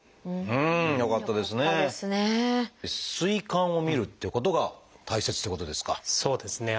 膵管をみるっていうことが大切っていうことですか？